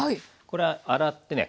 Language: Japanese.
これ洗ってね